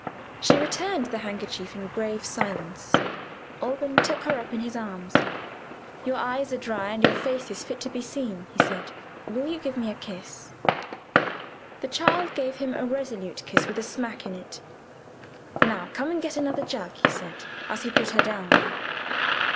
She returned the handkerchief in grave silence. Alban took her up in his arms. "Your eyes are dry, and your face is fit to be seen," he said. "Will you give me a kiss?" The child gave him a resolute kiss, with a smack in it. "Now come and get another jug," he said, as he put her down.